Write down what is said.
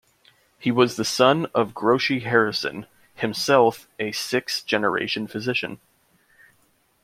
He was the son of Groce Harrison, himself a sixth-generation physician.